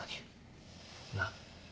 なっ。